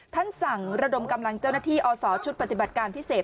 ท่านสั่งระดมกำลังเจ้าหน้าที่อศชุดปฏิบัติการพิเศษ